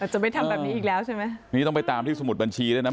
จะไม่ทำแบบนี้อีกแล้วใช่ไหมนี่ต้องไปตามที่สมุดบัญชีด้วยนะ